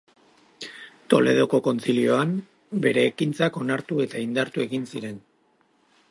Toledoko Kontzilioan, bere ekintzak onartu eta indartu egin ziren.